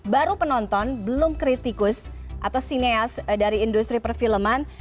baru penonton belum kritikus atau sineas dari industri perfilman